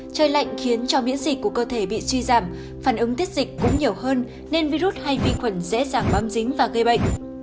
trời lạnh khiến cho miễn dịch của cơ thể bị suy giảm phản ứng tiết dịch cũng nhiều hơn nên virus hay vi khuẩn dễ dàng bám dính và gây bệnh